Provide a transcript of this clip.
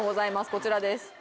こちらです。